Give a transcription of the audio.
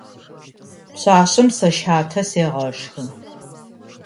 Пшъашъэм сэ щатэ сегъэшхы.